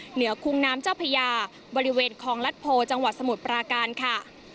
เหนือคุ้งน้ำเจ้าพญาบริเวณคลองลัดโพจังหวัดสมุทรปราการค่ะ